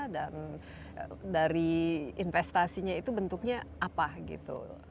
dan dari investasinya itu bentuknya apa gitu